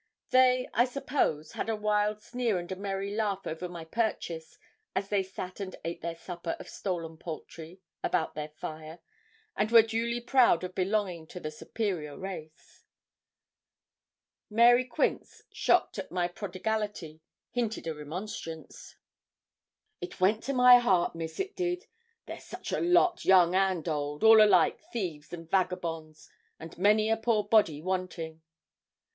They, I suppose, had a wild sneer and a merry laugh over my purchase, as they sat and ate their supper of stolen poultry, about their fire, and were duly proud of belonging to the superior race. Mary Quince, shocked at my prodigality, hinted a remonstrance. 'It went to my heart, Miss, it did. They're such a lot, young and old, all alike thieves and vagabonds, and many a poor body wanting.'